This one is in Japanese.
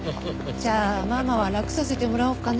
じゃあママは楽させてもらおうかな。